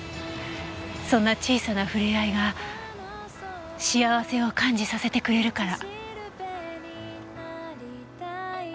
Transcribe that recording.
そんな小さなふれあいが幸せを感じさせてくれるから。